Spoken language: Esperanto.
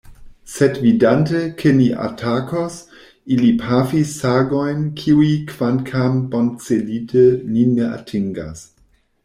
Sed vidante, ke ni atakos, ili pafis sagojn, kiuj kvankam boncelite, nin ne atingas.